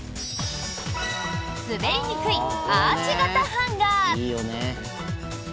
すべりにくいアーチ型ハンガー。